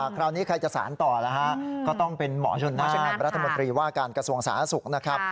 คราวนี้ใครจะสารต่อแล้วฮะก็ต้องเป็นหมอชนน่าเป็นรัฐมนตรีว่าการกระทรวงสาธารณสุขนะครับ